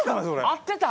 合ってた？